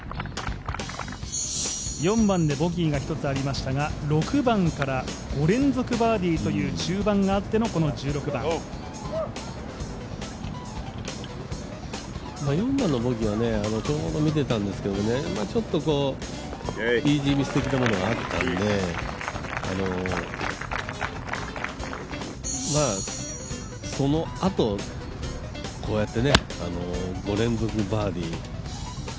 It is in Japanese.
４番でボギーが１つありましたが、６番から５連続バーディーという中盤があって４番のボギーはちょうど見ていたんですけどねちょっとイージーミス的なものがあったので、そのあと、こうやって５連続バーディー。